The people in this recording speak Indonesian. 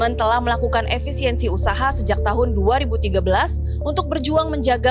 enak gitu loh kalau buat dibaca